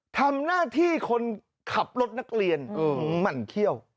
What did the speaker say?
ทำหน้าที่คนขับรถนักเรียนหมั่นเขี้ยว